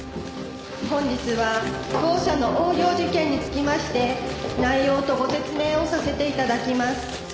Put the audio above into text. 本日は当社の横領事件につきまして内容とご説明をさせて頂きます。